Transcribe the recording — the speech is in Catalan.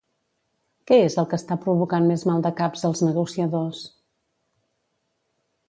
Què és el que està provocant més maldecaps als negociadors?